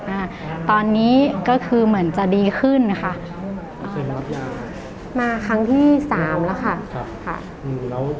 อ่าตอนนี้ก็คือเหมือนจะดีขึ้นค่ะมาครั้งที่สามแล้วค่ะครับค่ะอืมแล้ว